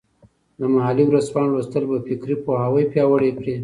د محلي ورځپاڼو لوستل به فکري پوهاوي پیاوړی کړي.